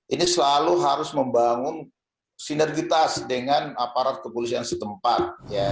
ini selalu harus membangun sinergitas dengan aparat kepolisian setempat